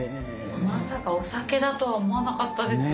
まさかお酒だとは思わなかったです。